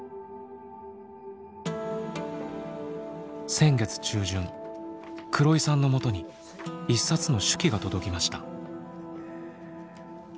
先月中旬黒井さんのもとに一冊の手記が届きました。